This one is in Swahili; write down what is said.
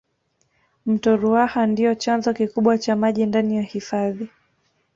mto ruaha ndiyo chanzo kikubwa cha maji ndani ya hifadhi